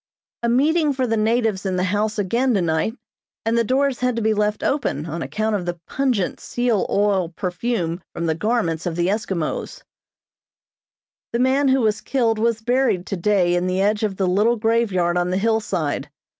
A meeting for the natives in the house again tonight, and the doors had to be left open on account of the pungent seal oil perfume from the garments of the Eskimos. The man who was killed was buried today in the edge of the little graveyard on the hillside.